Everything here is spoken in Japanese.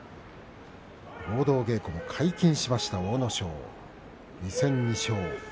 合同稽古も皆勤しました阿武咲２戦２勝。